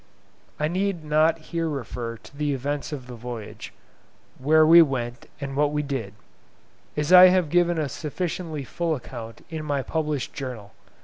I need not here refer to the events of the voyage—where we went and what we did—as I have given a sufficiently full account in my published Journal.